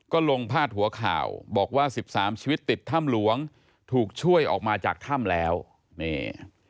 ก็ลงพาดหัวข่าวบอกว่าสิบสามชีวิตติดถ้ำหลวงถูกช่วยออกมาจากถ้ำแล้วนี่